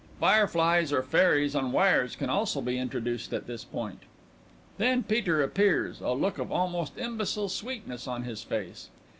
Fireflies or fairies on wires can also be introduced at this point._ Then PETER _appears, a look of almost imbecile sweetness on his face.